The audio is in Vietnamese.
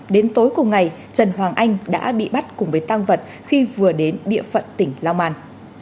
đến tối cùng ngày trần hoàng anh đã bị bắt cùng với tăng vật khi vừa đến địa phận tỉnh long an